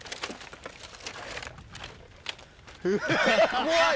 怖い！